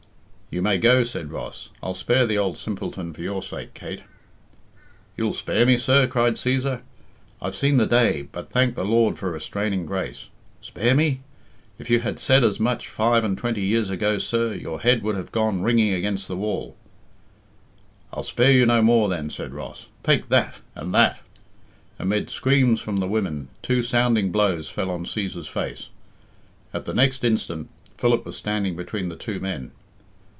"You may go," said Ross. "I'll spare the old simpleton for your sake, Kate." "You'll spare me, sir?" cried Cæsar. "I've seen the day but thank the Lord for restraining grace! Spare me? If you had said as much five and twenty years ago, sir, your head would have gone ringing against the wall." "I'll spare you no more, then," said Ross. "Take that and that." Amid screams from the women, two sounding blows fell on Cæsar's face. At the next instant Philip was standing between the two men.